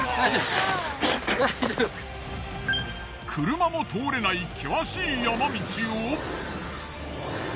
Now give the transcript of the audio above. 車も通れない険しい山道を。